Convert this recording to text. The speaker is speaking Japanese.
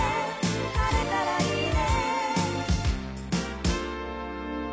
「晴れたらいいね」